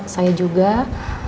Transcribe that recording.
saya juga harus memastikan